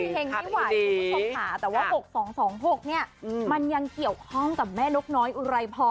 คุณผู้ชมหาแต่ว่า๖๒๒๖เนี่ยมันยังเกี่ยวข้องกับแม่นกน้อยอุรายพร